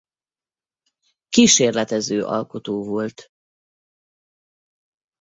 Kísérletező alkotó volt.